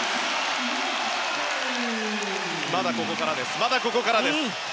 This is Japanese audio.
まだ、ここからです！